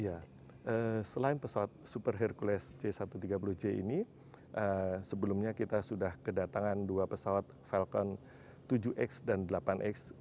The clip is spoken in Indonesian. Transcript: ya selain pesawat super hercules c satu ratus tiga puluh j ini sebelumnya kita sudah kedatangan dua pesawat falcon tujuh x dan delapan x